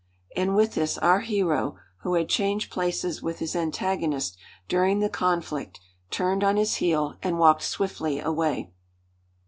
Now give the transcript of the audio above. And with this our hero, who had changed places with his antagonist during the conflict, turned on his heel and walked swiftly away.